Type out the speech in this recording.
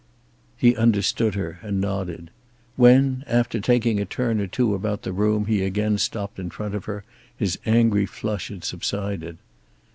He understood her, and nodded. When, after taking a turn or two about the room he again stopped in front of her his angry flush had subsided.